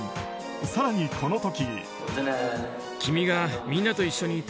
更に、この時。